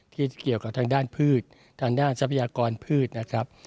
ที่เกี่ยวกับทางด้านพืชทางด้านทรัพยากรพืชนะครับ